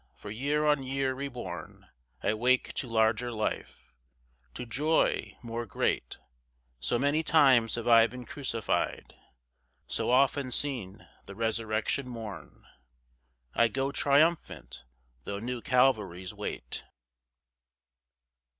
for year on year, re born I wake to larger life: to joy more great, So many times have I been crucified, So often seen the resurrection morn, I go triumphant, though new Calvaries wait.